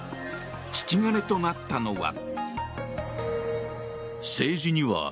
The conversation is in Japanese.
引き金となったのは。